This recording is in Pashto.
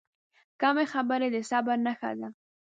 کمې خبرې، د صبر نښه ده.